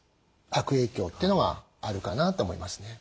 悪影響というのがあるかなと思いますね。